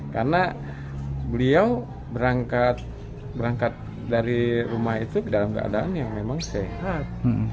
karena beliau berangkat dari rumah itu dalam keadaan yang memang sehat